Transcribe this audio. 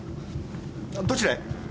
どちらへ？